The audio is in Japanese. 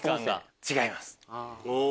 違います。